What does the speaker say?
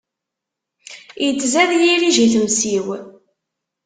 Ittzad yirij i tmes-iw.